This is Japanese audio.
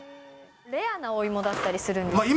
レアなお芋だったりするんで